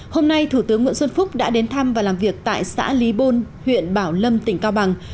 hôm nay thủ tướng nguyễn xuân phúc đã đến thăm và làm việc tại xã lý bôn huyện bảo lâm tỉnh cao bằng